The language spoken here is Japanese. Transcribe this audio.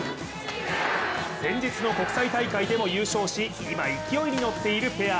先日の国際大会でも優勝し今、勢いに乗っているペア。